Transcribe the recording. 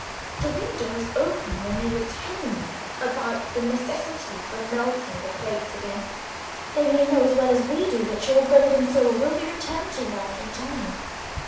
The window was open when you were telling me about the necessity for melting the plates again. They may know as well as we do, that your gold and silver will be returned to you after a time."